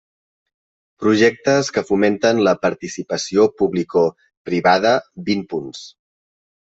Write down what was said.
Projectes que fomenten la participació publicoprivada, vint punts.